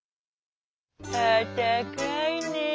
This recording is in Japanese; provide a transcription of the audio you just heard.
「あったかいねえ！」。